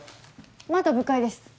まだ部会です。